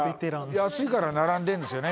安いから並んでるんですよね